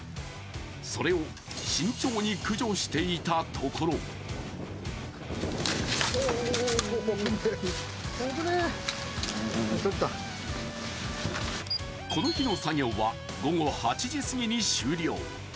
それを慎重に駆除していたところこの日の作業は午後８時すぎに終了。